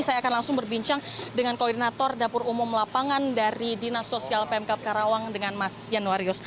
saya akan langsung berbincang dengan koordinator dapur umum lapangan dari dinas sosial pemkap karawang dengan mas yanuarius